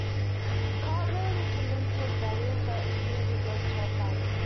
Cartman convinces Butters that he is a ghost, terrifying him.